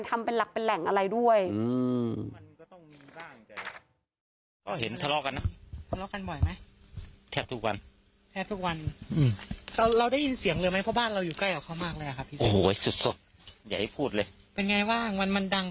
แต่เค้าทะเลาะกันชอบทะเลาะกัน